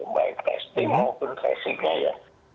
baik testing maupun tracingnya